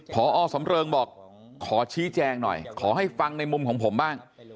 พอสำเริงบอกขอชี้แจงหน่อยขอให้ฟังในมุมของผมบ้าง